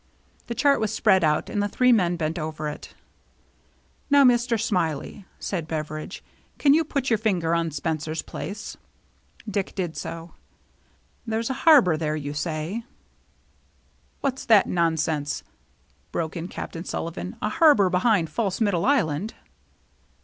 The chart was spread out, and the three men bent over it. " Now, Mr. Smiley," said Beveridge, " can you put your finger on Spencer's place ?" Dick did so. " There's a harbor there, you say ?" "What's that nonsense," broke in Cap tain Sullivan, " a harbor behind False Middle Island